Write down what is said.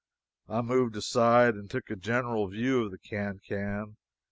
I moved aside and took a general view of the can can.